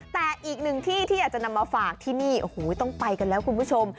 แต่อีกหนึ่งที่ที่อยากจะนำมาฝากที่นี่โอ้โหต้องไปกันแล้วคุณผู้ชม